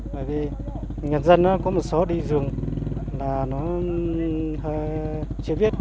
bởi vì người dân có một số đi rừng là nó hơi chế viết